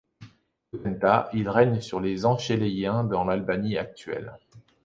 Potentat, il règne sur les Enchéléiens, dans l’Albanie actuelle.